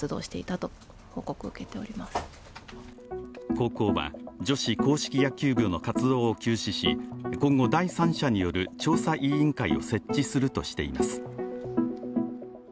高校は女子硬式野球部の活動を休止し今後、第三者による調査委員会を設置するとしています。